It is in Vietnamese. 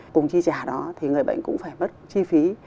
cùng chi trả đó thì người bệnh cũng phải mất chi phí